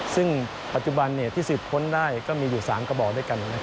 ซึ่งปัจจุบันที่สืบค้นได้ก็มีอยู่๓กระบอกด้วยกัน